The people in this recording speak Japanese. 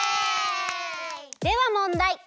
ではもんだい。